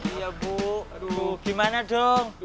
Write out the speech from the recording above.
iya bu dulu gimana dong